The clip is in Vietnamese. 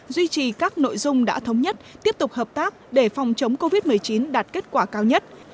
duy trì các nội dung đã thống nhất tiếp tục hợp tác để phòng chống covid một mươi chín đạt kết quả cao nhất